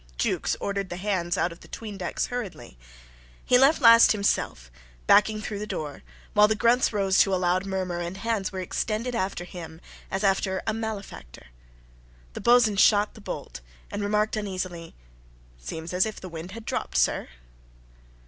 Jukes ordered the hands out of the 'tweendecks hurriedly. He left last himself, backing through the door, while the grunts rose to a loud murmur and hands were extended after him as after a malefactor. The boatswain shot the bolt, and remarked uneasily, "Seems as if the wind had dropped, sir."